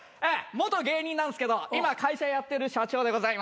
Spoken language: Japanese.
元芸人なんですけど今会社やってる社長でございます。